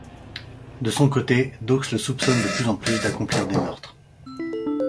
De son côté, Doakes le soupçonne de plus en plus d'accomplir des meurtres.